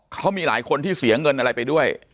เขามีหลายคนที่เสียเงินอะไรไปด้วย